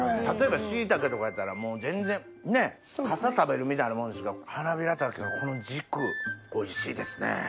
例えばシイタケとかやったらもう全然ねかさ食べるみたいなもんですけどハナビラタケはこの軸おいしいですね。